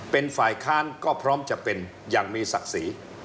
เป็นฝ่ายค้านก็พร้อมจะเป็นอย่างมีศักดิ์ศรี